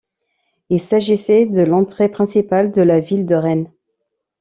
Il s’agissait de l’entrée principale de la ville de Rennes.